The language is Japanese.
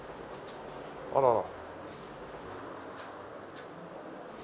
あらら。